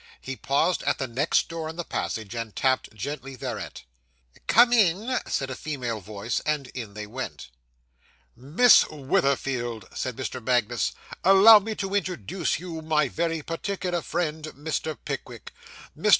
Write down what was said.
He paused at the next door in the passage, and tapped gently thereat. 'Come in,' said a female voice. And in they went. 'Miss Witherfield,' said Mr. Magnus, 'allow me to introduce my very particular friend, Mr. Pickwick. Mr.